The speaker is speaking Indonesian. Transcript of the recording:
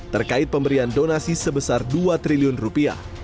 terkait pemberian donasi sebesar dua triliun rupiah